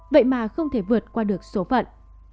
vậy mà không thể vượt qua được số phận